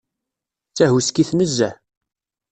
D tahuskit nezzeh.